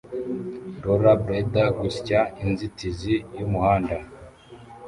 Rollerblader gusya inzitizi yumuhanda